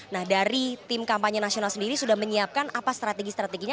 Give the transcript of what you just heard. nah dari tim kampanye nasional sendiri sudah menyiapkan apa strategi strateginya